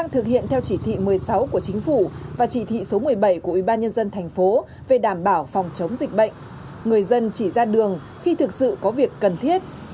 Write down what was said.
tuy nhiên khoảng một tuần trở lại người dân chỉ ra đường khi thực sự có việc cần thiết